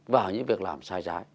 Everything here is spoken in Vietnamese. vào những việc làm sai trái